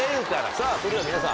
さぁそれでは皆さん